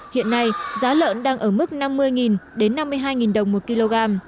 hiện nay giá lợn đang ở mức năm mươi đến năm mươi hai đồng một kg